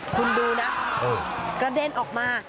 คุณดูนะกระเด็นออกมา